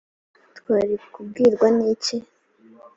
twari kubwirwa n’iki?